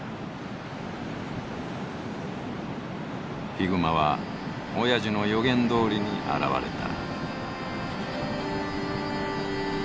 ヒグマはおやじの予言どおりに現れた。